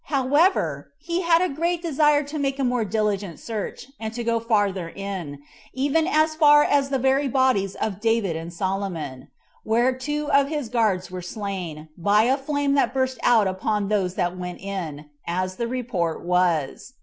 However, he had a great desire to make a more diligent search, and to go farther in, even as far as the very bodies of David and Solomon; where two of his guards were slain, by a flame that burst out upon those that went in, as the report was.